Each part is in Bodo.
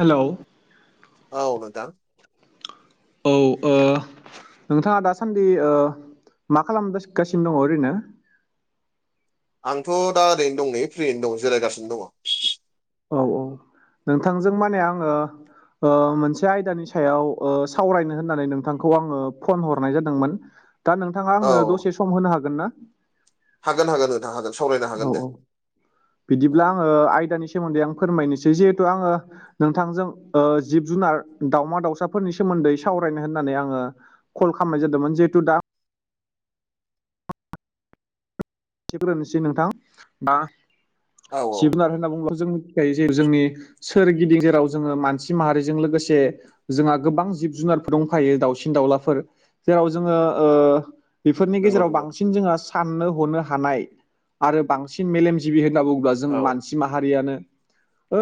हेलौ। औ नोंदां। औ ओ नोंथाङा दासान्दि ओ मा खालामगासि गासिनो दङ ओरैनो। आंथ' दा ओरैनो दं नै फ्रियनो दं जिरायगासिनो दङ। औ-औ नोंथांजों माने आङो ओ मोनसे आयदानि सायाव ओ सावरायनो होननानै नोंथांखौ आङो फन हरनाय जादोंमोन। दा नोंथाङा औ आंनो दसे सम होनो हागोन ना। हागोन - हागोन नोंथां हागोन सावरायनो औ हागोन औ दे। औ बिदिब्ला आङो आयदानि सोमोन्दै आं फोरमायनोसै जिहेथु आङो नोंथांजों ओ जिब जुनार दावमा दाउसाफोरनि सोमोन्दै सावरायनो होननानै आङो कल खालामनाय जादोंमोन। जिहेतु दा सिब्रोनोसै नोंथां दा जिब औ जुनार होनना बुङोबा जों मिथिखायो जे जोंनि सोरगिदिं जेराव जोङो मानसि माहारिजों लोगोसे जोंहा गोबां जिब जुनारफोर दंखायो दाउसिन दाउलाफोर जेराव जोङो ओ बेफोरनि नंगौ गेजेराव नंगौ बांसिन जोंहा साननो हनो हानाय आरो बांसिन मेलेमजिबि होनना बुङोब्ला जों औ मानसि माहारियानो ओ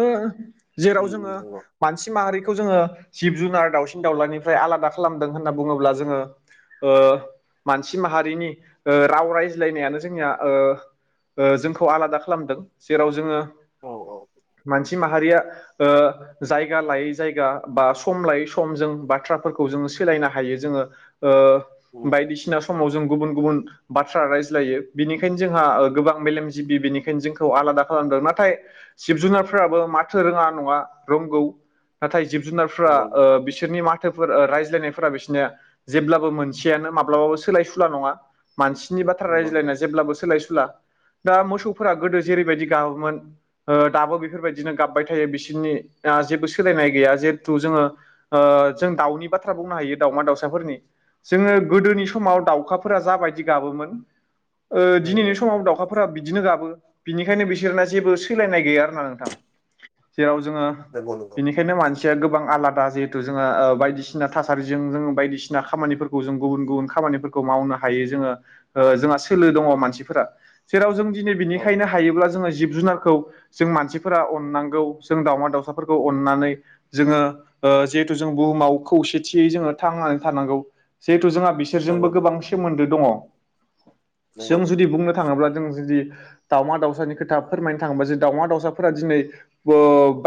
जेराव उम उम जोङो नंगौ मानसि माहारिखौ जोङो जिब जुनार दाउसिन दाउलानिफ्राय आलादा खालामदों होनना बुङोब्ला जोङो ओ मानसि माहारिनि ओ राव रायज्लायनायानो जोंनिया ओ-ओ जोंखौ आलादा खालामदों जेराव जोङो औ औ मानसि माहारिया ओ जायगा लायै जायगा बा सम लायै सम जों बाथ्राफोरखौ जोङो सोलायनो हायो जोङो। ओ उम उम बायदिसिना समाव जों गुबुन-गुबुन बाथ्रा रायज्लायो। बिनिखायनो जोंहा ओ गोबां मेलेमजिबि बेनिखायनो जोंखौ आलादा खालामदों। नाथाय जिब जुनारफोराबो माथो रोङा नङा रोंगौ नाथाय जिब जुनारफ्रा नंगौ ओ नंगौ बिस बिसोरनि माथोफोर रायज्लायनायफोरा बिसोरनिया जेब्लाबो मोनसेयानो माब्लाबाबो सोलाय सुला नङा। मानसिनि बाथ्रा नंगौ नंगौ रायज्लायना जेब्लाबो सोलाय सुला दा मोसौफोरा गोदो जेरैबायदि गाबोमोन ओ दाबो बेफोरबायदिनो गाबबाय थायो बिसोरनि ओ जेबो सोलायनाय गैया जिहेथु जोङो ओ जों दाउनि बाथ्रा बुंनो हायो दाउमा दाउसाफोरनि। जोङो गोदोनि समाव दाउखाफोरा जाबायदि गाबोमोन ओ उम दिनैनि उम समाव दाउखा फोर बिदिनो गाबो बिनिखायनो बिसोरना जेबो सोलायनाय गैया आर ना नोंथां जेराव जोङो नंगौ नंगौ बिनिखायनो मानसि या गोबां आलादा जिहेथु जोङो ओ बायदिसिना थासारिजों जों बायदिसिना खामानिफोर गु जों गुबुन-गुबुन खामानि मावनो हायो जोङो ओ जोंहा सोलो दङ मानसिफोरा जेराव जों दिनै औ बिनिखायनो हायोब्ला जोङो जिब जुनारखौ जों मानसिफोरा अननांगौ जों दाउमा दाउसाफोरखौ अननानै जोङो ओ जिहेथु जों बुहुमाव खौसेथियै जोङो थांनानै थानांगौ जिहेथु जोंहा बिस नंगौ सोरजोंबो गोबां नंगौ सोमोन्दो दङ नंगौ जों नंगौ जुदि बुंनो थांङोब्ला जों जुदि दाउमा दाउसानि खोथा फोरमायनो थाङोबा जे दाउमा दाउसाफोरा दिनै बो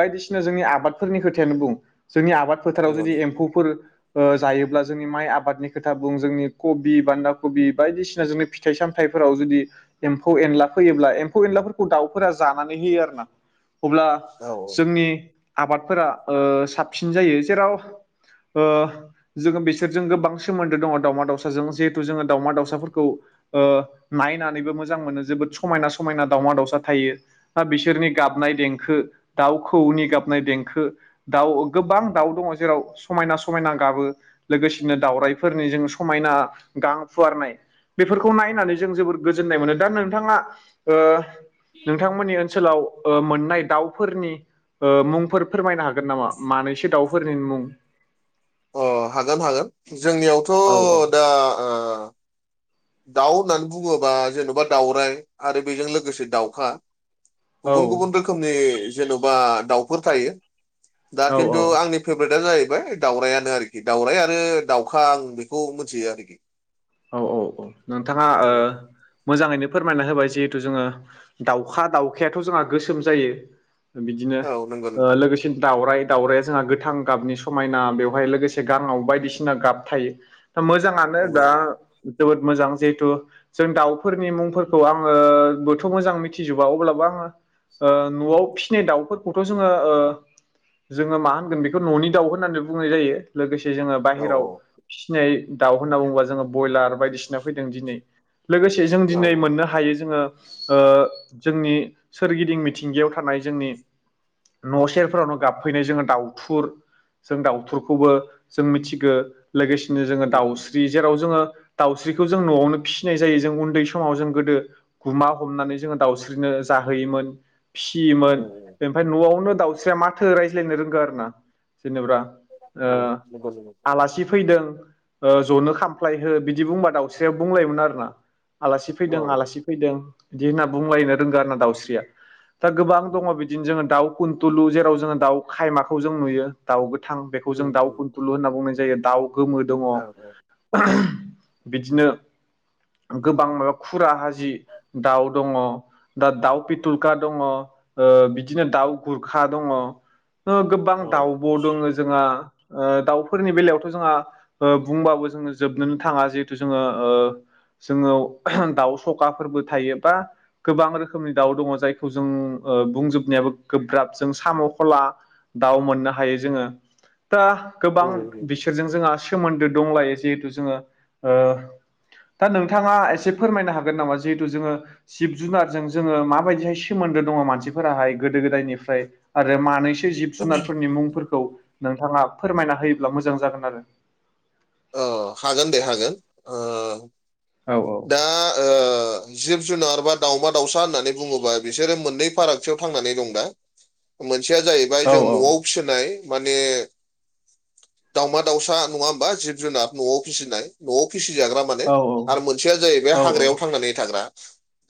बायदिसिना जोंनि आबादफोरनि खोथायानो बुं जोंनि आबाद फोथाराव नंगौ जुदि नंगौ एम्फौफोर ओ जायोब्ला जोंनि माइ आबादनि खोथा बुं जोंनि कबि बान्दा कबि बायदिसिना जोंनो फिथ फिथाइ सामथाइफोराव जुदि एम्फौ-एनला फैयोब्ला एम्फौ-एनलाफोरखौ दाउफोरा जानानै होयो आरो ना। अब्ला औ औ जोंनि आबादफोरा ओ साबसिन जायो जेराव ओ जोङो बिसोरजों गोबां सोमोन्दो दङ दाउमा दावसाजों जिहेथु जोङो दावमा दावसाफोरखौ ओ नायनानैबो मोजां मोनो जोबोद समायना - समायना दावमा-दावसा थायो। हा बिसोरनि गाबनाय देंखो दाउखौनि गाबनाय देंखो। दाउ गोबां दाउ दंङ जेराव समायना समायना गाबो। लोगोसेनो दाउरायफोरनि जों समायना गां फुवारनाय बेफोर खौ नायनानै जों जोबद गोजोननाय मोनो दा नोंथांआ ओ नोंथांमोननि ओनसोलाव ओ मोननाय दाउफोरनि ओ मुंफोर फोरमायनो हागोन नामा मानैसो दाउफोरनि मुं अ' हागोन हागोन जोंनियावथ' औ औ दा ओ दाउ होननानै बुंङोबा जेन'बा दाउराइ आरो बेजों लोगोसे दाउखा गुबुन-गुबुन रोखोमनि जेन'बा दाउफोर थायो दा औ खिन्थु आंनि फेभ्रेटआ जाहैबाय दाउरायानो आरोखि दाउराय आरो दाउखा आं बेखौ मिथियो आरोखि। औ औ औ नोंथांआ ओ मोजांङैनो फोरमायना होबाय जिहेथु जोंङो दाउखा दाउखायाथ' जोंहा गोसोम जायो। बिदिनो औ नंगौ ओ नंगौ लोगोसे दावराय-दावरायया जोंहा गोथां गाबनि समायना बेवहाय लोगोसे गांआव बायदिसिना गाब थायो। दा मोजांआनो नंगौ दा नंगौ जोबोद मोजां जिहेथु जों दाउफोरनि मुंफोरखौ आंङोबोथ' मोजां मिथिजोबा अब्लाबो आंङो ओ न'आव फिसिनाय दाउफोरखौथ' जोंङो ओ जोंङो मा होनगोन बेखौ न'नि दाउ होननानै बुंनाय जायो। लोगोसे जोंङो बाहेरायाव औ फिसिनाय दाउ होनना बुंङोबा जोंङो ब्रयलार बायदिसिना फैदों दिनै लोगोसे जों औ दिनै औ मोननो हायो जोङो जोंनि सोरगिदिं मिथिंगायाव थानाय जोंनि न' सेरफोरावनो गाबफैनाय जोङो दाउथुर जों दाउथुरखौबो जों मिथिगौ लोगोसेनो जोङो उम उम दाउस्रि जेराव जोङो दाउस्रिखौ जों न'आवनो फिसिनाय जायो जों उन्दै समाव जों गोदो गुमा हमनानै जोङो दाउस्रिनो जाहोयोमोन फिसियोमोन औ ओमफ्राय न'आवनो दाउस्रिया माथो रायज्लायनो रोंगो आरो ना जेनेबा औ नंगौ नंगौ आलासि फैदों जनो खामफ्लाय बिदि बुंबा दाउस्रियाव बुंलायोमोन आरोना आलासि औ फैदों आलासि फैदों बिदि होनना बुंलायनो रोंगौ आरो ना दाउस्रिया दा गोबां उम दङ बिदिनो जोङो दाउ दउ खुुनथुलु जेराव जोङो दाउ खायमाखौ जों नुयो दाउ गोथां बे जों उम दाउ उम फुलु होनना बुंनाय जायो दाउ गोमो दङ औ [unintelligible] बिदिनो गोबां माबा खुरा हाजि दाउ दङ दा दाउ पिथलखा दङ बिदिनो दाउ गुरखा दङ गोबां औ औ दाउब' दङ जोंहा दाउफोरनि बेलायावथ' जोंहा बुंबाबो जोङो जोबनोनो थाङा जिहेथु जोङो ओ जोङो दाउ सखाफोरबो थायोबा गोबां रोखोमनि दाउ दङ जायखौ जों बुंजोबनायाबो गोब्राब जों साम' खला दाउ मोननो हायो जोङो दा गोबां उम बिसोरजों जोंहा सोमोन्दो दंलायो जिहेथु जोङो दा नोंथाङा एसे फोरमायनो हागोन नामा जिहेतथु जोङो जिब जुनारजों जोङो माबायदिहाय सोमोन्दो दङ मानसिफोराहाय गोदो गोदायनिफ्राय आरो मानैसो जिब उम जुनारफोरनि मुंफोरखौ नोंथाङा फोरमायना होयोब्ला मोजां जागोन आरो ओ हागोन दे हागोन औ दा ओ जिब जुनार बा दाावमा दाउसा होननानै बुङोबा बिसोरो मोननै फारागथियाव थांनानै दं दा मोनसेया जाहैबाय औ जों न'आव फिसिनाय माने दावमा दाउसा नङा होमबा जिब जुनार न'आव फिसिनाय न'आविसिजाग्रा औ औ जाहैबाय औ हाग्रायाव थांनानै थाग्रा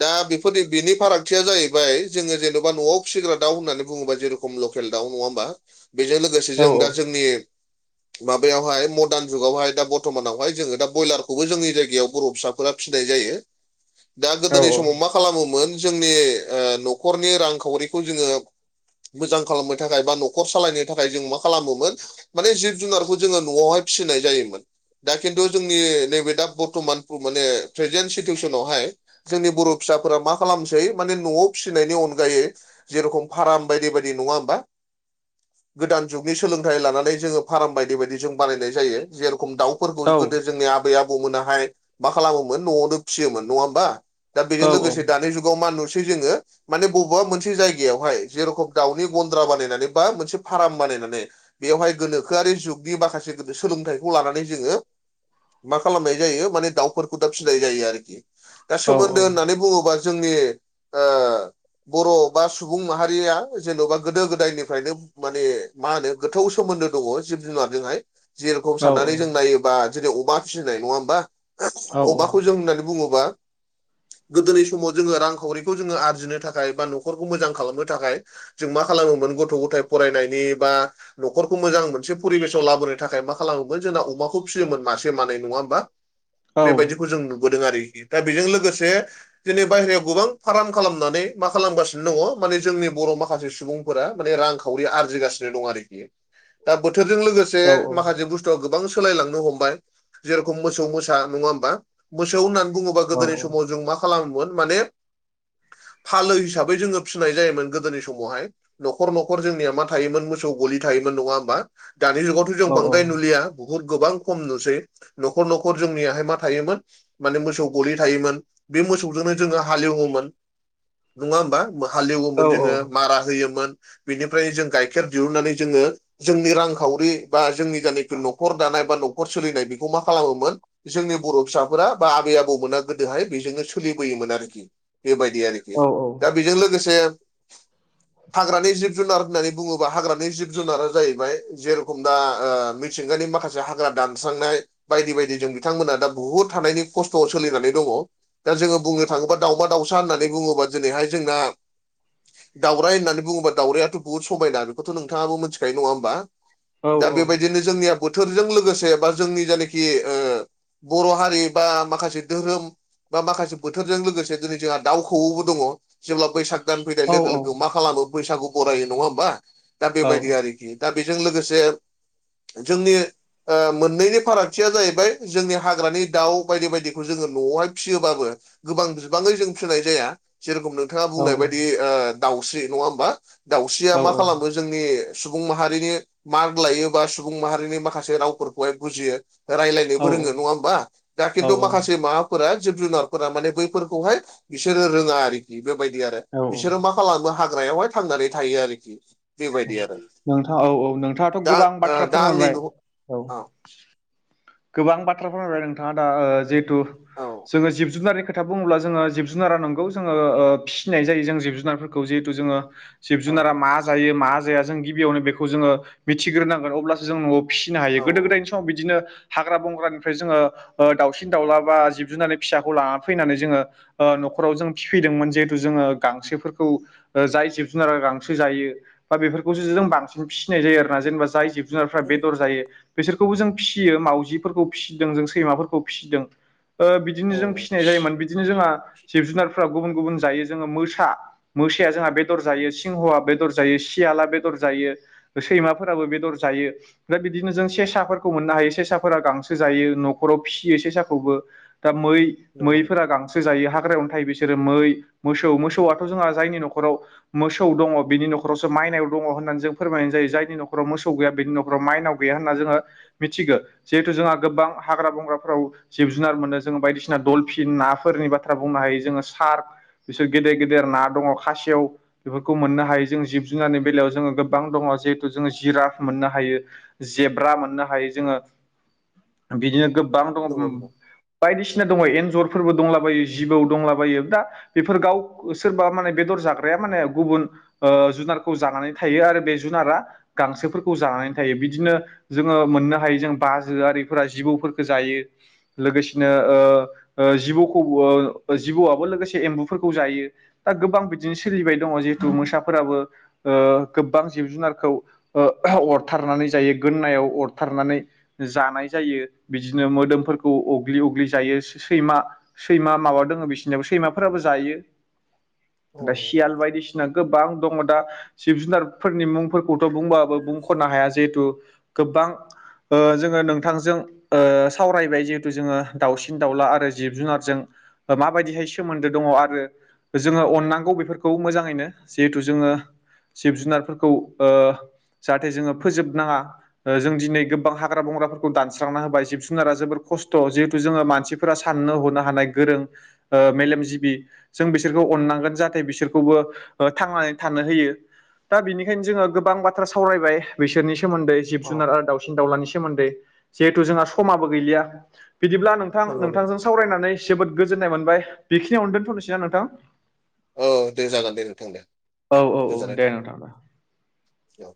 दा बेफोरनि बिनि फारागथिया जाहैबाय जोङो जेन'बा न'आव फिसिग्रा दाउ होननानै बुङोबा जेर खम लकेल दाउ नङा होमा बेजों लोगोसे औ जों दा जोंनि माबायावहाय मडार्न जुगावहाय दा बर्तमानावहाय जोङो दा ब्रयलारखौबो जोंनि जायगायाव बर' फिसाब फोरा फिसिनाय जायो दा औ गोदोनि समाव मा खालामोमोन? जोंनि ओ न'खरनि रांखावरिखौ जोङो मोजां खालामनो थाखाय बा न'खर सालायनो थाखाय जों मा खालामोमोन? माने जिब जुनारखौ जोङो न'आवहाय फिसिनाय जायोमोन। दा खिन्थु जोंनि नैबे दा बर्थमान माने प्रेजेन्ट सिटुवेसनावहाय जोंनि बर' फिसाफोरा मा खालामसै माने न'आव फिसिनायनि अनगायै जे रखम फाराम बायदि बायदि नङा होमबा? गोदान जुगनि सोलोंथाइ लानानै जोङो फाराम बायदि बायदि जों बानायनाय जायो। जेरेखम दाउफोरखौ औ गोदो जोंनि आबै आबौमोनाहाय मा खालामोमोन न'आवनो फिसियोमोन नङा ओमबा दा बेजों औ लोगोसे दानि जुगाव मा नुसै जोङो माने बबेबा मोनसे जायगायावहाय जे रखम दाउनि गन्द्रा बानायनानै बा मोनसे फाराम बानायनानै बेयावहाय गोनोखोआरि जुगनि माखासे गोदो सोलोंथाइखौ लानानै जोङो मा खालामनाय जायो माने दाउफोरखौ दा फिसिनाय जायो आरोखि दा सोमोन्दो होननानै बुङोबा जोंनि ओ बर' बा सुबुं माहारिया जेन'बा गोदो गोदायनिफायनो माने मा होनो गोथौ सोमोन्दो दङ जिब जुनारजोंहाय जे रखम औ सारनानै जों नायोबा जेरै अमा फिसिनाय नङा होमबा? अबाखौ जों होननानै बुङोबा गोदोनि समाव जोङो रांखावरिखौ जोङो आरजिनो थाखाय बा न'खरखौ मोजां खालामनो थाखाय जों मा खालामोमोन गथ' गथाय फरायनायनि बा न'खरखौ मोजां मोनसे फरिबेसन लाबोनो थाखाय मा खालामोमोन जोंना अमाखौ फिसियोमोन मासे मानै नङा होमबा? बेबायदिखौ जों नुबोदों आरोखि दा बेजों लोगोसे दिनै बाहेरायाव गोबां फार्म खालामनानै मा खालामगासिनो दङ माने जोंनि बर' माखासे सुबुं फोरा माने रांखावरि आरजिगासिनो दं आरोखि दा बोथोरजों लोगोस जे माखासे बुस्थुवा गोबां सोलायलांनो हमबाय जे रखम मोसौ मोसा नङा ओमबा? मोसौ होननानै बुङोबा गोदोनि समाव औ जों मा खालामोमोन माने फालो हिसाबै जोङो फिसिनाय जायोमोन गोदोनि समावहाय। न'खर न'खर जोंनिया मा थायोमोन मोसौ गलि थायोमोन नङा होमबा दानिुगाव [unintelligible] जों बांद्राय नुलिया बुहुत गोबां‌खम नुसै न'खर न'खर जोंनियाहाय मा थायोमोन माने मोसौ गलि थायोमोन बे मोसौजोंनो जोङो हालेवोमोन। नङा ओमबा हालेवोमोन जोङो मारा होयोमोन। बिनिफ्राय जों गाइखेर दिहुननानै जोङो जोंनि रांखावरि बा जोंनि [unintelligible] न'खर दानाय बा न'खर सोलिनाय बेखौ मा खालामोमोन? जोंनि बर' फिसाफोरा बा आबै आबौमोना गोदोहाय बेजोंनो सोलिबोयोमोन आरोखि। बेबायदि आरोखि दा बेजों लोगोसे हाग्रानि जिब जुनार होननानै बुङोब्ला हाग्रानि जिब जुनारा जाहैबाय जे रखम दा ओ मिथिंगानि माखासे हाग्रा दानस्रांनाय बायदि बायदि जों बि थांमोना दा बुहुद थानायनि खस्थ'आव सोलिनानै दङ। दा जोङो बुंनो थाङोबा दावउमा दावउसा होननानै बुङोबा दिनैहाय जोंना दावराय होननानै बुङोबा दावरायाथथ' बुहुद समायना बेखौथ' नथाङाबो मिथिखायो नङा ओमबा? दा बेबायदिनो जोंनिया बोथोरजों लोगोसे बा जोंनि जानोखि ओ बर' हारि बा माखासे धोरोम बा माखासे बोथोरजों लोगोसे दिनै जोंहा दाउ खौवौबो दङ जेब्ला बैसाग दान फैनाय लोगो लोगो मा खालामो फैगो बरायो नङा होमबा दा बेबायदि आरोखि। दा बेजों लोगोसे जोंनि ओ मोननैनि फारागथिया जाहैबाय जोंनि हाग्रानि दाउ बायदि बायदिखौ जोङो न'आवहाय फियोबाबो गोबां बिबाङै जों फिसिनाय जाया जे रखमनो नोंथाङा बुंनाय बायदि ओ दाउस्रि नङा होनबा दाउस्रिया मा खालामो? जोंनि सुबुं माहारिनि मार्क लायोबा सुबुं माहारिनि माखासे रावफोरखौहाय बुजियो रायलाय बोरोङो नङा होमबा दा खिन्थु औ औ माखासे मा फोरा जिब जुनारफोरा माने बैफोरखौहाय बिसोरो रोङा आरोखि बेबायदि आरो औ बिसोरो मा खालामो हाग्रायावहाय थांनानै थायो आरोखि बेबायदि आरो नोंथां औ औ नोंथाङाथ' दा गोबां ओ बाथ्रा दा आंनि न फोरमायबाय औ गोबां बाथ्रा फोरमायबाय नोंथाङा दा जिहेथु औ जोङो जिब जुनारनि खो खोथा बुङोब्ला जोङो जिब जुनारा नांगौ जोङो ओ फिसिनाय जायो जोंङो जिब जुनारफोरखौ जिहेथु जोङो जिब जुनारा औ मा जायो मा जाया जों गिबियावनो बेखौ जोङो मिथिग्रोनांगोन अब्लासो जों न'आव फिसिनो हायो गोदो औ गोदायनि समाव बिदिनो हाग्रा बंग्रानिफ्राय जोङो ओ दावसिन दाउला बा जिब जुननानै फिसाखौ लाना फैनानै जोङो ओ न'खराव जों फिफैदोंमोन जिहेथु जोङो गांसोफोरखौ जाय जिब जुनारा गांसो जायो बा बेफोरखौसो जों बांसिन फिसिनाय जायो आरो ना जेनेबा जाय जिब जुनारफ्रा औ बेदर जायो बेसोरखौबो जों फिसियो माव जिफोरखौ फिसिदों जों सैमाफोरखौ फिसिदों बिदिनो औ जों फिसिनाय जायोमोन। बिदिनो जोंहा जिब जुनारफ्रा गुबुन गुबुन जायो जोङो मोसा मोसाया जोंहा बेदर जायो सिंहआ बेदर जायो सियाला बेदर जायो। सैमाफोराबो बेदर जायो दा बिदिनो जों सेसाफोरखौ मोननो हायो सेसा फोरा गांसो जायो न'खराव फिसियो सेसाखौबो दा मै नंगौ नंगौ मैफोरा गांसो सो जायो हाग्रायावनो थायो बिसोरो मै मोसौ मोसौआथ' जोंहा जायनि न'खराव मोसौ दङ बिनि न'खरावसो माइनाव दङ होननानै जों फोरमायनाय जायो जायनि न'खराव मोसौ गैया बेनि नखराव माइनाव गैया होनना जोङो मिथिगौ जिहेथु जोंहा गोबां हाग्रा बंग्राफोराव जिब जुनार मोनो जोङो बायदिसिना दलफिन नाफोरनि बाथ्रा बुंनो हायो जोङो सार्क बिसोर गेदेर गेदेर ना दंङ खासेव बेफोरखौ मोननो हायो जों जिब जुनारनि बेलायाव जोङो गोबां दंङ जिहेथु जोंङो जिराफ मोननो हायो। जेब्रा मोननो हायो जोङो बिदिनो गोबां दङ नंगौ नंगौ बायदिसिना दङ एन्जरफोरबो दंलाबायो जिबौ दंलाबायो दा बेफोर गाव सोरबा माने बेदर जाग्राया माने गुबुन ओ जुनारखौ जानानै थायो आरो बे जुनारा गांसोफोरखौ जानानै थायो बिदिनो जोङो मोननो हायो बाजोआरिफोरा जिबौफोरखौ जायो। लोगोसेनो ओ ओ जिबौखौबो ओ जिबौआबो लोगोसे एम्बुफोरखौ जायो। दा गोबां बिदिनो सोलिबाय दङ जिहेथु मोसाफोराबो ओ गोबां जिब जुनारखौ ओ अरथारनानै जायो गोदनायाव अरथारनानै जानाय जायो बिदिनो मोदोमफोरखौ अग्लि अग्लि जायो सैमा सैमा माबा दङो बिसोरनियाबो सैमाफोराबो जायो। औ दा सियाल बायदिसिना गोबां दङ दा जिब जुनारफोरनि मुंफोरखौ खौथ बुंबाबो बुंखनो हाया जिहेथु गोबां ओ जों ओ नोंथांजों ओ सावरायबाय जिहेथु जोङो दाउसिन दाउला आरो जिब जुनारजों माबायदिहाय सोमोन्दो दङ आरो जोङो अननांगौ बेफोरखौ मोजाङैनो जिहेथु जोङो जिब जुनारफोरखौ ओ जाहाथे जोङो फोजोबनाङा ओ जों दिनै गोबां हाग्रा बंग्राफोरखौ दानस्रांना होबाय जिब जुनारा जोबोर खस्थ' जिहेथु जोङो मानसिफोरा साननो हनो हानाय गोरों ओ मेलेमजिबि जों बिसोरखौ अननांगोन जाहाथे बिसोरखौबो थांनानै थानो होयो। दा बिनिखायनो जोङो गोबां बाथ्रा सावरायबाय बिसोरनि सोमोन्दै जिब औ जुनार आरो दाउसिन दाउलानि सोमोन्दै जिहेथु जोंहा समाबो गैलिया बिदिब्ला नोंथां नंगौ नंगौ नोंथांजों सावरायनानै जोबोद गोजोन्नाय मोनबाय बिखिनियावनो दोन्थ'नोसै ना नोंथां? औ दे जागोन दे नोंथां दे औ औ औ गोजोननाय दे नोंथां। थाबाय।